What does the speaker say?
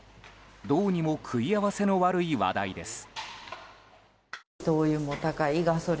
どうにも食い合わせの悪い話題です。